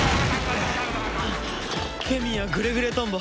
ケミーはグレグレトンボ。